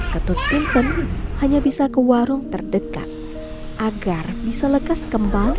ketut simpen hanya bisa ke warung terdekat agar bisa lekas kembali